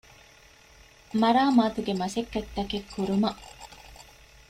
މަރާމާތުގެ މަސައްކަތްތަކެއް ކުރުމަށް